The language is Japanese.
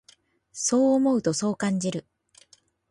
そう思うと、そう感じる。